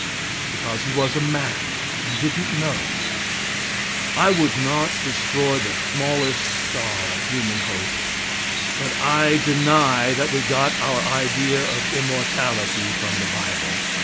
Because He was a man and didn't know. I would not destroy the smallest star of human hope, but I deny that we got our idea of immortality from the bible.